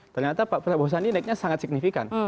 ternyata pak prabowo sandi naiknya sangat signifikan